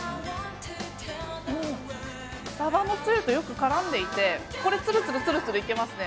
サバのつゆとよく絡んでいて、これ、つるつるつるつるいけますね。